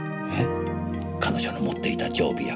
彼女の持っていた常備薬。